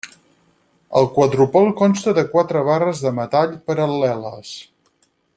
El quadrupol consta de quatre barres de metall paral·leles.